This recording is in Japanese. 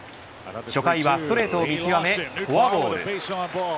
初回はストレートを見極めフォアボール。